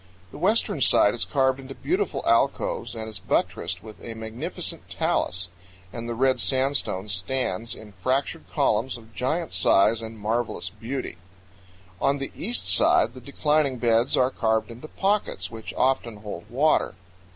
The western side is carved into beautiful alcoves and is buttressed with a magnificent talus, and the red sandstone stands in fractured columns of giant size and marvelous beauty. On the east side the declining beds are carved into pockets, which often hold water.